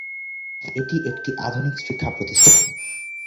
এটি একটি আধুনিক শিক্ষা প্রতিষ্ঠান।